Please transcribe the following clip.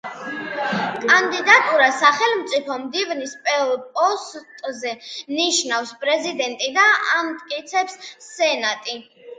კანდიდატურას სახელმწიფო მდივნის პოსტზე ნიშნავს პრეზიდენტი და ამტკიცებს სენატი.